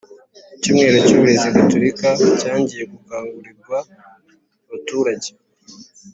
icyumweru cy’uburezi gatolika cyangiye gukangurirw abaturage